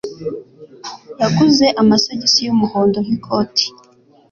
Yaguze amasogisi y’umuhondo nkikoti